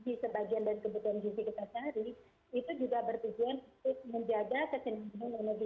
jadi sebagian dari kebutuhan gizi kita sehari itu juga bertujuan untuk menjaga kesenamungan energi